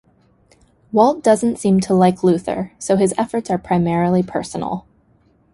Walt doesn't seem to like Luther, so his efforts are primarily personal.